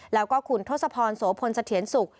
แล้วก็คุณทศพรโสพลเสถียรสุข